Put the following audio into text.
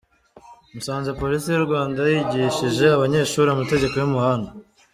Musanze : Polisi y’u Rwanda yigishije abanyeshuri amategeko y’umuhanda